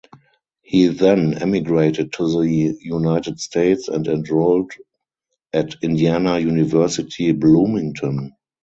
He then emigrated to the United States and enrolled at Indiana University Bloomington.